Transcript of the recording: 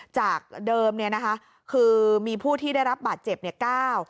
จากเดิมเนี่ยนะคะคือมีผู้ที่ได้รับบาดเจ็บเนี่ยเก้า